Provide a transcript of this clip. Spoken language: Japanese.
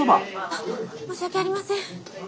あっ申し訳ありません。